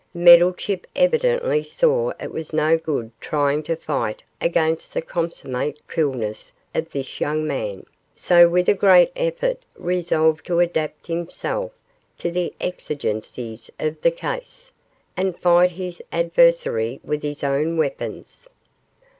Meddlechip evidently saw it was no good trying to fight against the consummate coolness of this young man, so with a great effort resolved to adapt himself to the exigencies of the case, and fight his adversary with his own weapons.